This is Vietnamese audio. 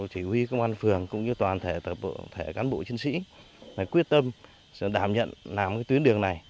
chỉ huy công an phường cũng như toàn thể cán bộ chiến sĩ quyết tâm đảm nhận làm tuyến đường này